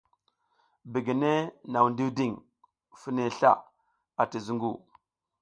Begene nang ndiwding fine sla ati zungu.